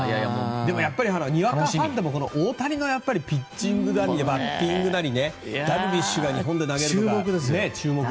でも、にわかファンでも大谷のピッチングなりバッティングなりダルビッシュが日本で投げるとか注目が。